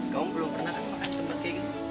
kamu belum pernah makan di tempat kayak gini